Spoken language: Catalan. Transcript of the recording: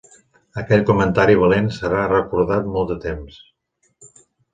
Aquell comentari valent serà recordat molt de temps.